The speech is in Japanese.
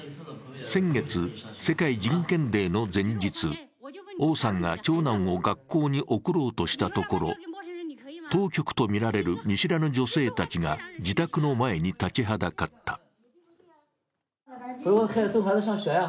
先月、世界人権デーの前日、王さんが長男を学校に送ろうとしたところ当局とみられる見知らぬ女性たちが自宅の前に立ちはだかった。